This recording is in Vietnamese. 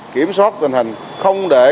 kiểm soát tình hình không để